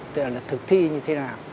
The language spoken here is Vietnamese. vấn đề là thực thi như thế nào